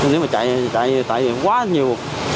nếu mà chạy chạy quá nhiều